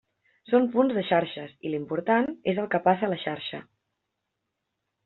Són punts de xarxes i l'important és el que passa a la xarxa.